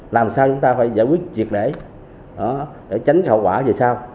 làm sao chúng ta phải giải quyết việc để tránh hậu quả về sau